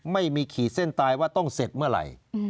ขีดเส้นตายว่าต้องเสร็จเมื่อไหร่